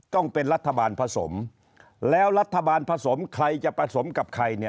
ต้องเป็นรัฐบาลผสมแล้วรัฐบาลผสมใครจะผสมกับใคร